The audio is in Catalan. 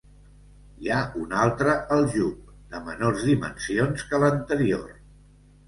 Hi ha un altre aljub, de menors dimensions que l'anterior.